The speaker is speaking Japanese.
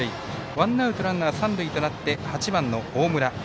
ワンアウト、ランナー三塁となって、８番の大村。